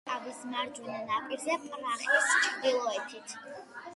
ვლტავის მარჯვენა ნაპირზე, პრაღის ჩრდილოეთით.